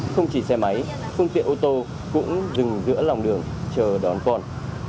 không chỉ xe máy phương tiện ô tô cũng dừng giữa lòng đường chờ đón con